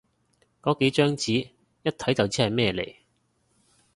個幾張紙，一睇就知係咩嚟